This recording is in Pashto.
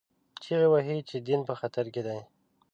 چیغې وهي چې دین په خطر کې دی